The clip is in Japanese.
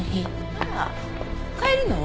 あら帰るの？